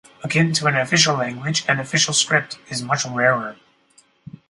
Akin to an official language, an official script is much rarer.